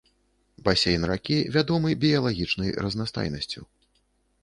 Басейн ракі вядомы біялагічнай разнастайнасцю.